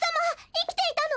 いきていたの？